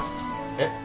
えっ？